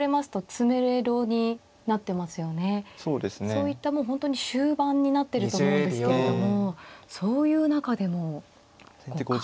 そういったもう本当に終盤になってると思うんですけれどもそういう中でも互角。